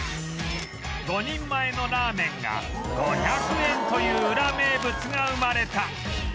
５人前のラーメンが５００円というウラ名物が生まれた